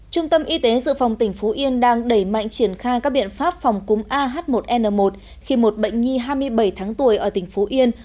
trung tâm y tế dự phòng tỉnh phú yên đang đẩy mạnh triển khai các biện pháp phòng cúm ah một n một khi một bệnh nhi hai mươi bảy tháng tuổi ở tỉnh phú yên